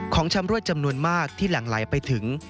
ของชำรวดจำนวนมากที่หลั่งไหลไปถึง